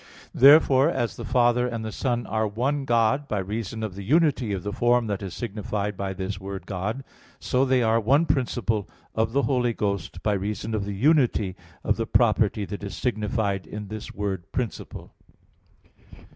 Therefore, as the Father and the Son are one God, by reason of the unity of the form that is signified by this word "God"; so they are one principle of the Holy Ghost by reason of the unity of the property that is signified in this word "principle."